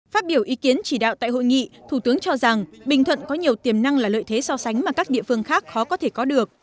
phát biểu ý kiến chỉ đạo tại hội nghị thủ tướng cho rằng bình thuận có nhiều tiềm năng là lợi thế so sánh mà các địa phương khác khó có thể có được